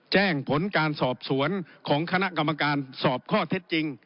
แจ้งผลการสอบสวนของคณะกรรมการสอบข้อเท็จจริง